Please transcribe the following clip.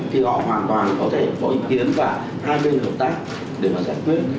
thì họ hoàn toàn có thể có ý kiến và hai bên hợp tác để mà giải quyết